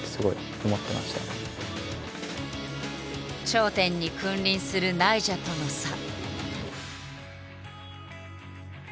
頂点に君臨するナイジャとの差。